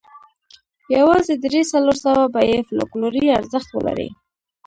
یوازې درې څلور سوه به یې فوکلوري ارزښت ولري.